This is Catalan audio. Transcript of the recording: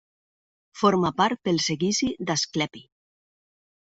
Forma part del seguici d'Asclepi.